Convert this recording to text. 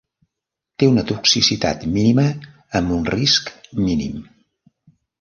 Té una toxicitat mínima amb un risc mínim.